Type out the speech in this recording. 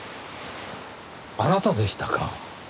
あなたでしたか。